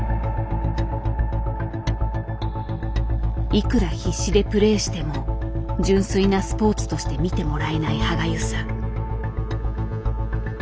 いくら必死でプレーしても純粋なスポーツとして見てもらえない歯がゆさ。